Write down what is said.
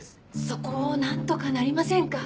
そこを何とかなりませんか？